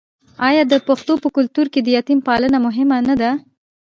آیا د پښتنو په کلتور کې د یتیم پالنه مهمه نه ده؟